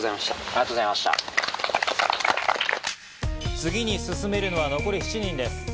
次に進めるのは残り７人です。